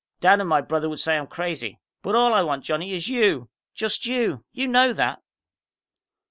"Dad and my brother would say I'm crazy. But all I want, Johnny, is you. Just you! You know that."